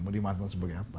mau dimantul sebagai apa